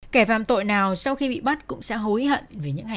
kẻ phạm tội thì sẽ phải trả giá